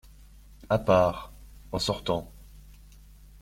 À part, en sortant.